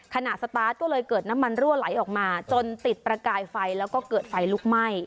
ขณะสตาร์ทก็เลยเกิดน้ำมันรั่วไหลออกมาจนติดประกายไฟแล้วก็เกิดไฟลุกไหม้